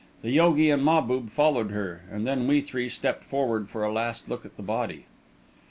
The yogi and Mahbub followed her, and then we three stepped forward for a last look at the body.